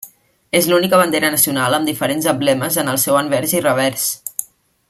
És l'única bandera nacional amb diferents emblemes en el seu anvers i revers.